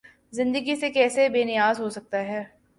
زندگی سے کیسے بے نیاز ہو سکتا ہے؟